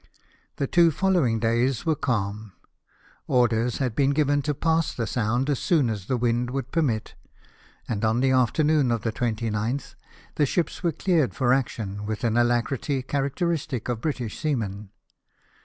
The two following days were calm. Orders had been given to pass the Sound as soon as the wind would permit ; and on the afternoon of the 29 th the ships were cleared for action with an alacrity characteristic of British seamen.